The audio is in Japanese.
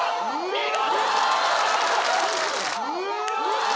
見事！